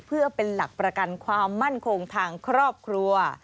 เพื่อเป็นหลักประกันความมั่นคงทางครอบครัว